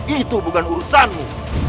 itu bukan urusanmu